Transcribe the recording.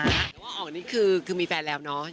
เราว่าออกนี่คือคือมีแฟนแล้วเนอะ